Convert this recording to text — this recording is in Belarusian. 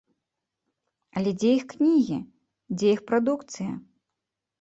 Але дзе іх кнігі, дзе іх прадукцыя?!